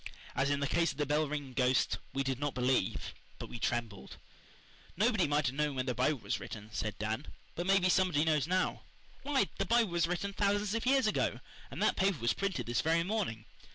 As in the case of the bell ringing ghost, we did not believe but we trembled. "Nobody might have known when the Bible was written," said Dan, "but maybe somebody knows now. Why, the Bible was written thousands of years ago, and that paper was printed this very morning.